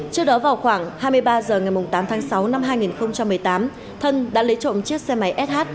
trước đó vào khoảng hai mươi ba h ngày tám tháng sáu năm hai nghìn một mươi tám thân đã lấy trộm chiếc xe máy sh